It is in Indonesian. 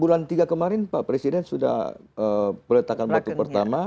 bulan tiga kemarin pak presiden sudah meletakkan batu pertama